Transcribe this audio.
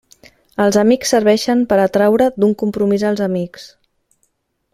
Els amics serveixen per a traure d'un compromís els amics.